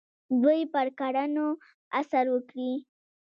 دوی پر کړنو اثر وکړي.